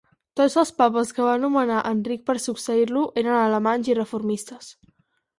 Tots els papes que va nomenar Enric per succeir-lo eren alemanys i reformistes.